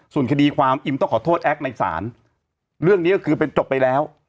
ส่วนคดีความอิมต้องขอโทษแอคในศาลเรื่องนี้ก็คือเป็นจบไปแล้ว